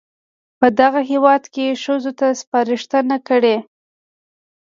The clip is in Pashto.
په دغه هېواد کې ښځو ته سپارښتنه کړې